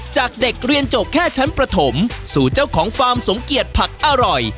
จากเด็กเรียนจบแค่ชั้นประถมสู่เจ้าของฟาร์มสมเกียจผักอร่อย